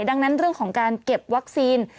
ดังนั้นเรื่องของการเก็บวัคซีน